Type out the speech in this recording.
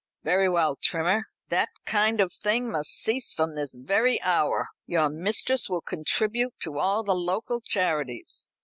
'" "Very well, Trimmer. That kind of thing must cease from this very hour. Your mistress will contribute to all the local charities.